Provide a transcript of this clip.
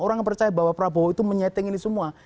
orang akan percaya bahwa prabowo itu menyeting ini semua